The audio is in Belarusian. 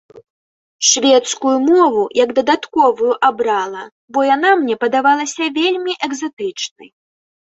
Шведскую мову як дадатковую абрала, бо яна мне падавалася вельмі экзатычнай.